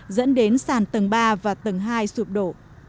dẫn đến sàn tầng ba và tầng hai sụp đổ